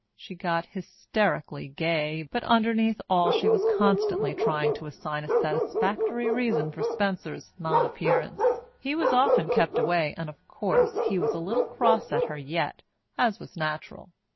She got hysterically gay, but underneath all she was constantly trying to assign a satisfactory reason for Spencer's nonappearance. He was often kept away, and of course he was a little cross at her yet, as was natural.